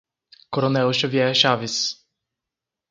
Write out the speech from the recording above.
Coronel Xavier Chaves